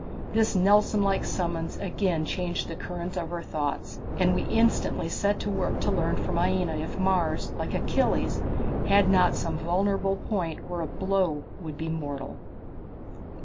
This Nelson like summons again changed the current of our thoughts, and we instantly set to work to learn from Aina if Mars, like Achilles, had not some vulnerable point where a blow would be mortal.